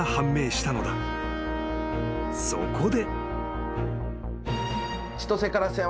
［そこで］